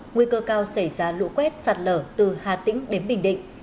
nguy cơ cao xảy ra lũ quét sạt lở từ hà tĩnh đến bình định